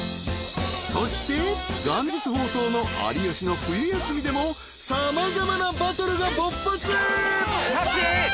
［そして元日放送の『有吉の冬休み』でも様々なバトルが勃発］